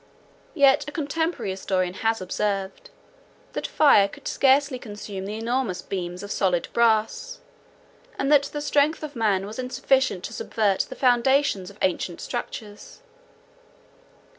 106 Yet a contemporary historian has observed, that fire could scarcely consume the enormous beams of solid brass, and that the strength of man was insufficient to subvert the foundations of ancient structures.